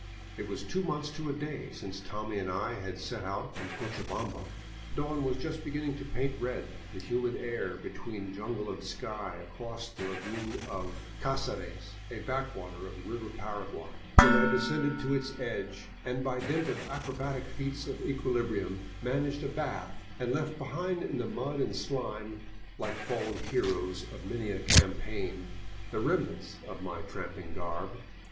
It was two months to a day since Tommy and I had set out from Cochabamba. Dawn was just beginning to paint red the humid air between jungle .and sky across the lagoon of Caceres, a backwater of the river Para 598 SKIRTING THE GRAN CHACO guay, when I descended to its edge and, by dint of acrobatic feats of equilibrium, managed a bath and left behind in the mud and slime, like fallen heroes of many a campaign, the remnants of my tramp ing garb.